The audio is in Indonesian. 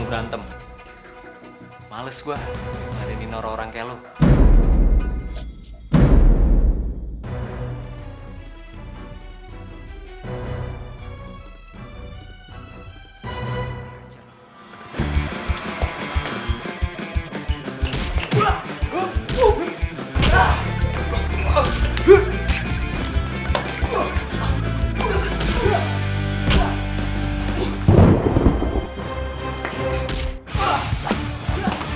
sampai jumpa di video selanjutnya